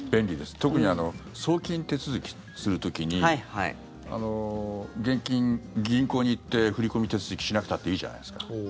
特に送金手続きする時に現金、銀行に行って振り込み手続きしなくたっていいじゃないですか。